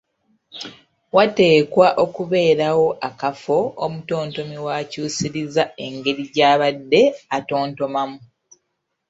Wateekwa okubaawo akafo omutontomi w’akyusiriza engeri gy’abadde atontomamu,